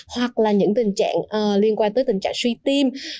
hoặc là những tình trạng liên quan tới tình trạng suy tim